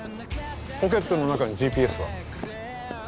ポケットの中にＧＰＳは？